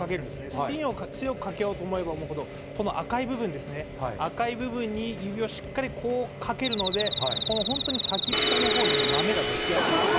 スピンを強くかけようと思えば思うほど、この赤い部分ですね、赤い部分に指をしっかりこうかけるので、本当に先っぽのほうにまめが出来やすいです。